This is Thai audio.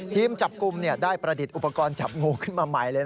ทีมจับกลุ่มได้ประดิษฐ์อุปกรณ์จับงูขึ้นมาใหม่เลย